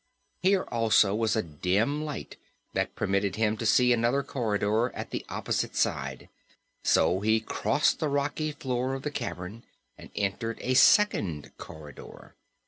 Here also was a dim light that permitted him to see another corridor at the opposite side; so he crossed the rocky floor of the cavern and entered a second corridor.